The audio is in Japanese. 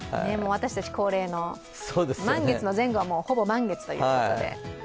私たち恒例の満月の前後は、ほぼ満月ということで。